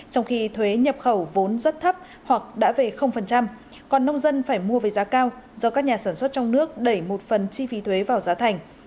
trong khi thuế nhập khẩu vốn rất thấp hoặc đã về còn nông dân phải mua với giá cao do các nhà sản xuất trong nước đẩy một phần chi phí thuế vào giá thành